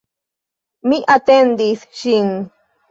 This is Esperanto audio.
Mi atendis ŝin.